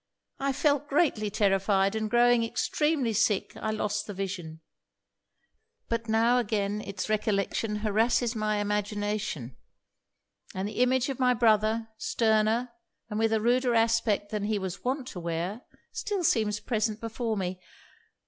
I felt greatly terrified; and growing extremely sick, I lost the vision. But now again it's recollection harrasses my imagination; and the image of my brother, sterner, and with a ruder aspect than he was wont to wear, still seems present before me.